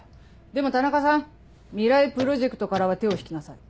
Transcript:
でも田中さん未来プロジェクトからは手を引きなさい。